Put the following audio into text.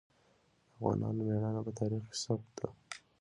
د افغانانو ميړانه په تاریخ کې ثبت ده.